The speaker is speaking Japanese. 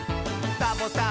「サボさん